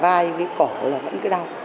và vai với cổ là vẫn cứ đau